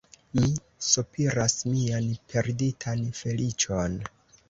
Mi sopiras mian perditan feliĉon.